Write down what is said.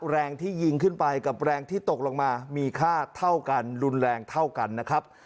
แรงที่ยิงขึ้นไปกับแรงที่ตกลงมามีค่าเท่ากันรุนแรงเท่ากันนะครับ